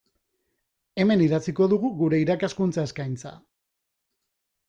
Hemen idatziko dugu gure irakaskuntza eskaintza.